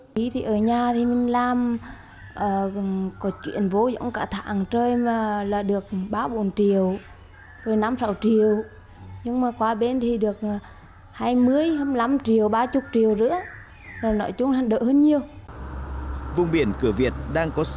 vùng biển cửa việt đang có sự thay ra đổi thịt với nhiều ngôi nhà cao tầng mới được xây dựng